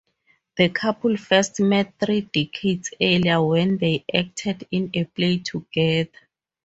The couple first met three decades earlier when they acted in a play together.